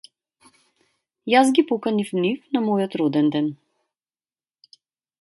Јас ги поканив нив на мојот роденден.